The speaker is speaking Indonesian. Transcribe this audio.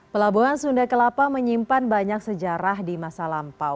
pelabuhan sunda kelapa menyimpan banyak sejarah di masa lampau